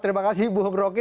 terima kasih bu roki